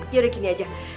yaudah gini aja